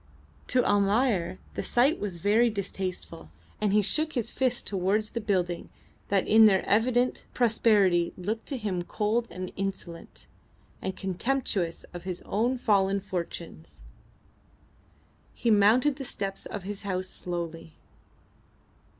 To Almayer the sight was very distasteful, and he shook his fist towards the buildings that in their evident prosperity looked to him cold and insolent, and contemptuous of his own fallen fortunes. He mounted the steps of his house slowly.